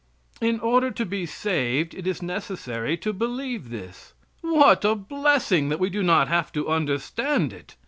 In order to be saved it is necessary to believe this. What a blessing, that we do not have to understand it.